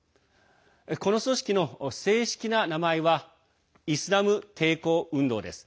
この組織の正式な名前はイスラム抵抗運動です。